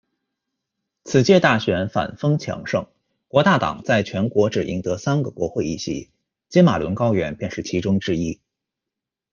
此届大选反风强盛，国大党在全国只赢得三个国会议席，金马仑高原便是其中之一。